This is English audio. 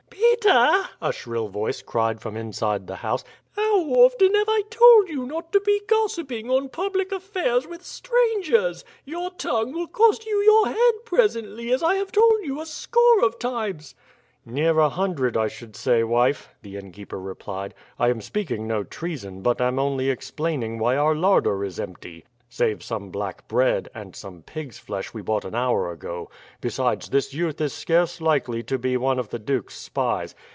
"Peter," a shrill voice cried from inside the house, "how often have I told you not to be gossiping on public affairs with strangers? Your tongue will cost you your head presently, as I have told you a score of times." "Near a hundred I should say, wife," the innkeeper replied. "I am speaking no treason, but am only explaining why our larder is empty, save some black bread, and some pig's flesh we bought an hour ago; besides, this youth is scarce likely to be one of the duke's spies."